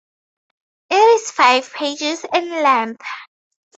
It is five pages in length.